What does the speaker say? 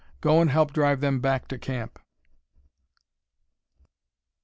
Go and help drive them back to camp."